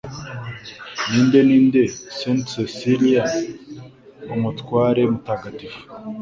Ninde Ninde St Cecellia Umutware Mutagatifu